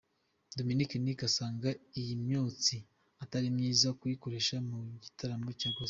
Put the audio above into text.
Dominic Nic asanga iyi myotsi atari myiza kuyikoresha mu gitaramo cya Gospel.